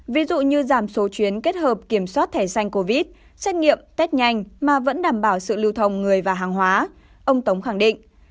ví dụ như giảm số chuyến kết hợp kiểm soát thẻ xanh covid xét nghiệm test nhanh mà vẫn đảm bảo sự lưu thông người và hàng hóa ông tống khẳng định